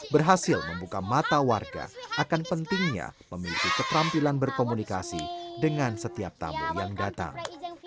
berhasil membuka mata warga akan pentingnya memiliki keterampilan berkomunikasi dengan setiap tamu yang datang